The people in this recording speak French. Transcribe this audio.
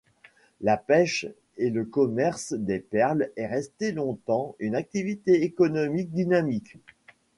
La pêche et le commerce des perles est resté longtemps une activité économique dynamique.